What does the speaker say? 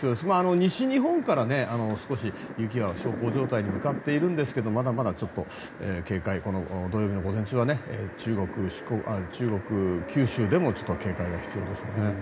西日本から少し雪が小康状態に向かっているんですがまだまだ警戒この土曜日の午前中は中国、九州でも警戒が必要ですね。